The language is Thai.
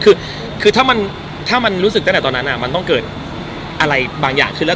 คือคือถ้ามันถ้ามันรู้สึกตั้งแต่ตอนนั้นอ่ะมันต้องเกิดอะไรบางอย่างขึ้นแล้ว